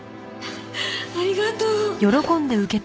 ありがとう。